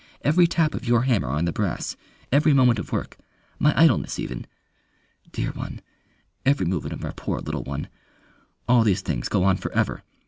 Every tap of your hammer on the brass, every moment of work, my idleness even ... Dear one! every movement of our poor little one ... All these things go on for ever.